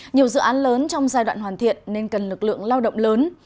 nhiều dự án lớn trong giai đoạn hoàn thiện nên cần lực lượng lao động lớn